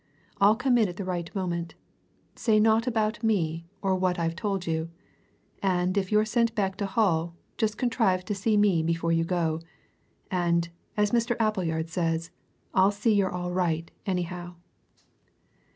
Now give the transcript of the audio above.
I'll come in at the right moment. Say naught about me or of what I've told you. And if you're sent back to Hull, just contrive to see me before you go. And, as Mr. Appleyard says, I'll see you're all right, anyhow."